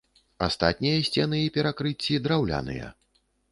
Астатнія сцены і перакрыцці драўляныя.